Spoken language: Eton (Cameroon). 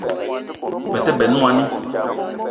Me te benn moni